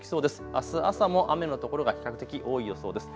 あす朝も雨の所が比較的、多い予想です。